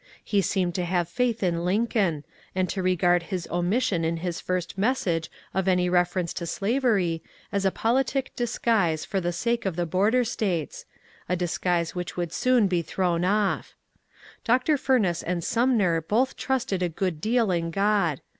He seemed to have faith in Lincoln, and to regard his omission in his first message of any reference to slavery as a politic disguise for the sake of the border States, — a disguise which would soon be thrown off. Dr. Fumess and Sumner both trusted a good deal in God.